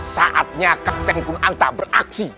saatnya kapten kunanta beraksi